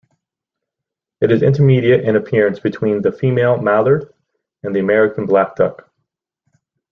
It is intermediate in appearance between the female mallard and the American black duck.